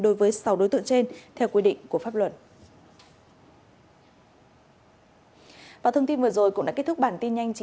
đối với sáu đối tượng trên theo quy định của pháp luật